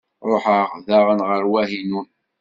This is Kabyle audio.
Ruḥeɣ daɣen ɣer Wahinun.